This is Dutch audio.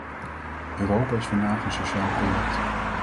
Europa is vandaag een sociaal project.